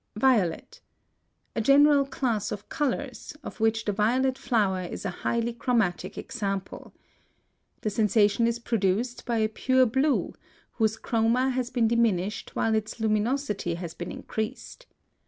VIOLET. A general class of colors, of which the violet flower is a highly chromatic example. The sensation is produced by a pure blue whose CHROMA has been diminished while its LUMINOSITY has been increased.